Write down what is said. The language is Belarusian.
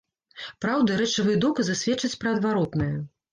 Праўда, рэчавыя доказы сведчаць пра адваротнае.